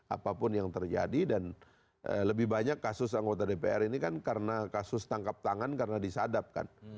apapun yang terjadi dan lebih banyak kasus anggota dpr ini kan karena kasus tangkap tangan karena disadap kan